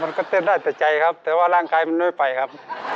มันก็เต้นได้แต่ใจครับแต่ว่าร่างกายมันน้อยไปครับ